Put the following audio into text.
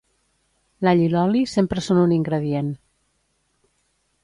L'all i l'oli sempre són un ingredient.